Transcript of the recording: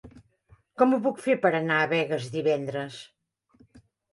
Com ho puc fer per anar a Begues divendres?